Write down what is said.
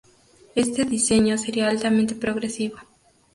Este diseño sería altamente progresivo.